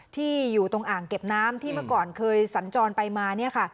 ที่อยู่ตรงอ่างเก็บน้ำที่เมื่อก่อนเคยสัญจรไปมา